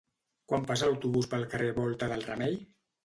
Quan passa l'autobús pel carrer Volta del Remei?